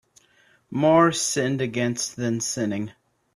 More sinned against than sinning